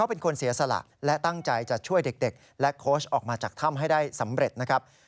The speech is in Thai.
เป็นคนเสียสละและตั้งใจจะช่วยเด็กและโค้ชออกมาจากถ้ำให้ได้สำเร็จนะครับ